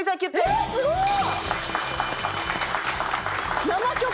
えっすごい！